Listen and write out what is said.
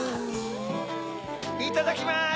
いただきます！